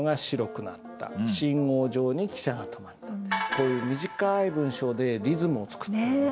こういう短い文章でリズムを作ってるんですね。